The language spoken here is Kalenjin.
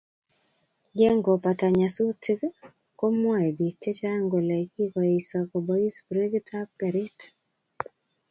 Yengopata nyasutik komwoe bik chechang kole kikoesio kobois brekitab garit